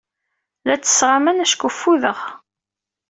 La ttesseɣ aman acku fudeɣ.